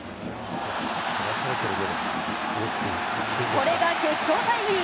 これが決勝タイムリー。